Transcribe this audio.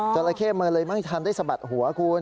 จริงมันทำได้สะบัดหัวคุณ